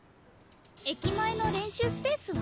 駅前の練習スペースは？